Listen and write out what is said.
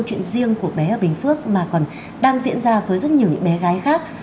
chuyện riêng của bé ở bình phước mà còn đang diễn ra với rất nhiều những bé gái khác